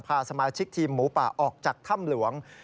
พาสมาชิกทีมหมูป่าออกจากถ้ำหลวง